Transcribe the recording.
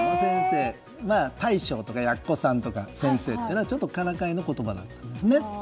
大将とか、やっこさんとか先生とかちょっとからかいの言葉だったんですね。